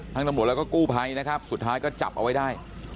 ตำรวจแล้วก็กู้ภัยนะครับสุดท้ายก็จับเอาไว้ได้